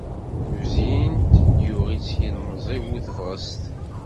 Tuzyint yuɣ-itt yilemẓi bu tebɣest.